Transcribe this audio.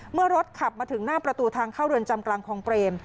เมื่อรถขับมาถึงหน้าประตูทางเข้าเรือนจำกลางคลองเปรม